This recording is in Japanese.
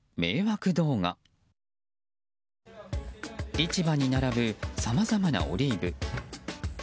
市場に並ぶさまざまなオリーブ。